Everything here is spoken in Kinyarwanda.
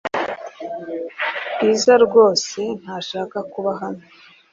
Bwiza rwose ntashaka kuba hano .